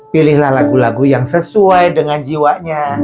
pilihlah lagu lagu yang sesuai dengan jiwanya